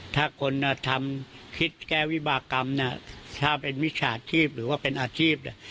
ถ้าคนทำคิดแก้วิบากรรมถ้าเป็นมิจฉาชีพหรือว่าเป็นอาชีพเนี่ย